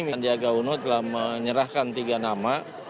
sandiaga uno telah menyerahkan tiga nama